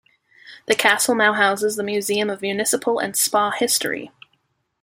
The castle now houses the Museum of Municipal and Spa History.